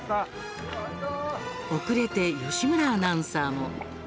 遅れて義村アナウンサーも。